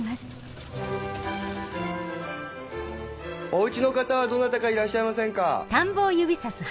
お家の方はどなたかいらっしゃいませんか？